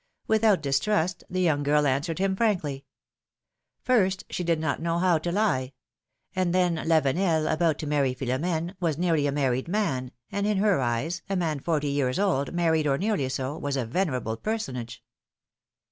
Without distrust the young girl answered him frankly. First, she did not know how to lie ; and then Lavenel, about to marry Philora^ne, was nearly a married man, and in her eyes, a man forty years old, married or nearly so, was a venerable personage.